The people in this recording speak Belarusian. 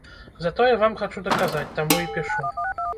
Затое вам хачу даказаць, таму і пішу.